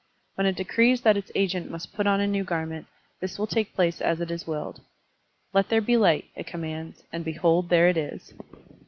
When it decrees that its agent must put on a new garment, this will take place as it is willed. "Let there be light," it commands, and behold there it is!